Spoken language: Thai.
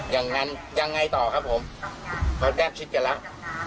อย่างงั้นยังไงต่อครับผมเขาได้ชิดจมูก